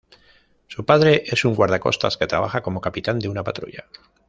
Su padre es un guardacostas que trabaja como capitán de una patrulla.